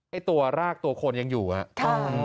ไอ้ตัวรากตัวคนยังอยู่อ่ะ